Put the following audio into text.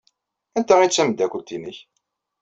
Anta ay d tameddakelt-nnek?